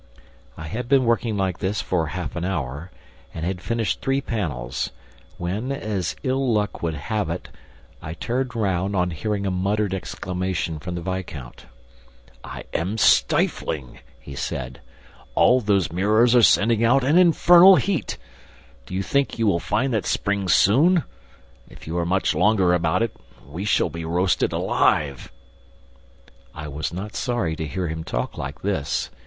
I had been working like this for half an hour and had finished three panels, when, as ill luck would have it, I turned round on hearing a muttered exclamation from the viscount. "I am stifling," he said. "All those mirrors are sending out an infernal heat! Do you think you will find that spring soon? If you are much longer about it, we shall be roasted alive!" I was not sorry to hear him talk like this.